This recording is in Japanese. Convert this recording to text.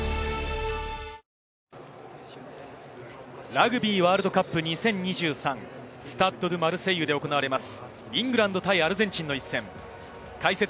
ラグビーワールドカップ２０２３、スタッド・ド・マルセイユで行われます。